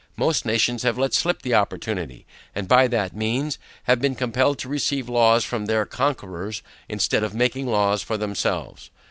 Most nations have let slip the opportunity, and by that means have been compelled to receive laws from their conquerors, instead of making laws for themselves.